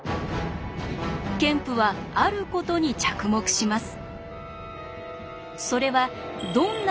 ケンプはあることに着目します。